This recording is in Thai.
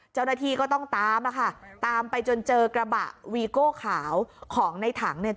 เจ้าหน้าที่ก็ต้องตามอะค่ะตามไปจนเจอกระบะวีโก้ขาวของในถังเนี่ย